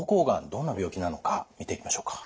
どんな病気なのか見ていきましょうか。